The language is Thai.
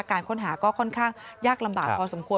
การค้นหาก็ค่อนข้างยากลำบากพอสมควร